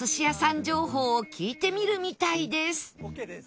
情報を聞いてみるみたいです